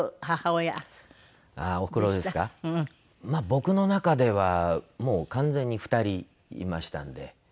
僕の中ではもう完全に２人いましたので。